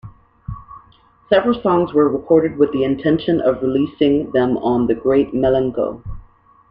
Several songs were recorded with the intention of releasing them on "The Great Milenko".